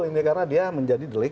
ini karena dia menjadi delik